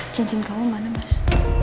cincin kamu mana mas